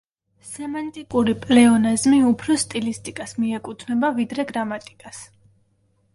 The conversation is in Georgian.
სემანტიკური პლეონაზმი უფრო სტილისტიკას მიეკუთვნება, ვიდრე გრამატიკას.